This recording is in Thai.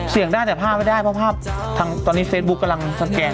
เสียงได้แต่ภาพไม่ได้เพราะภาพตอนนี้เซ็นบุ๊กกำลังสแกน